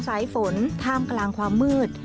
สายฝนท่ามกลางความมืด